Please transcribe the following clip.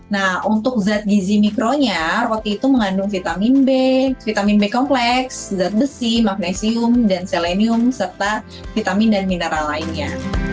nah untuk zat gizi mikronya roti itu mengandung vitamin b vitamin b kompleks zat besi magnesium dan selenium serta vitamin dan mineral lainnya